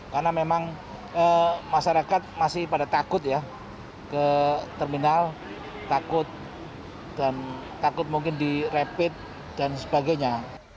karena memang masyarakat masih pada takut ya ke terminal takut mungkin direpit dan sebagainya